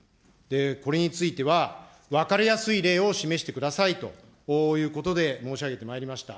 これについては、分かりやすい例を示してくださいということで、申し上げてまいりました。